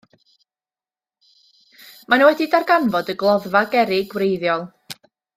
Maen nhw wedi darganfod y gloddfa gerrig wreiddiol.